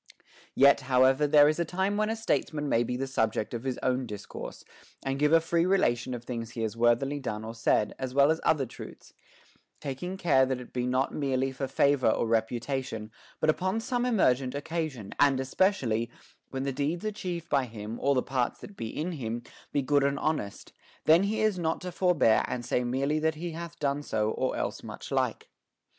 2. Yet, however, there is a time when a statesman may be the subject of his own discourse, and give a free rela tion of things he has worthily done or said, as well as other truths ; taking care that it be not merely for favor or reputation, but upon some emergent occasion, and espec ially, when the deeds achieved by him or the parts that be in him be good and honest, then he is not to forbear and say merely that he hath done so or else much like.